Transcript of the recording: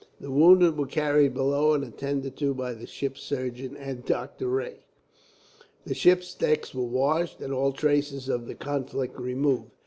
The wounded were carried below, and attended to by the ship's surgeon and Doctor Rae. The ship's decks were washed, and all traces of the conflict removed.